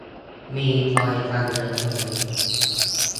มีซอยตันเยอะไหม